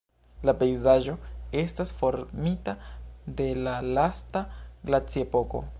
La pejzaĝo estas formita de la lasta glaciepoko.